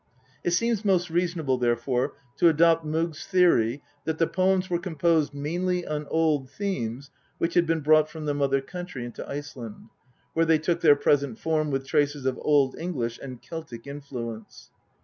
It seems most reasonable, therefore, to adopt Mogk's theory that the poems were composed mainly on old themes which had been brought from the mother country into Iceland, where they took their present form with traces of Old English and Celtic influence.